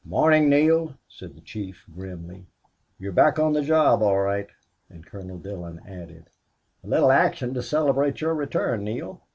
"Good morning, Neale," said the chief, grimly. "You're back on the job, all right." And Colonel Dillon added, "A little action to celebrate your return, Neale!"